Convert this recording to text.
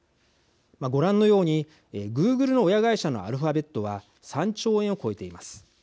ご覧のようにグーグルの親会社のアルファベットは３兆円を超えています。